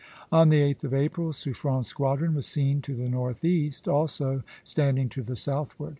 On the 8th of April Suffren's squadron was seen to the northeast, also standing to the southward.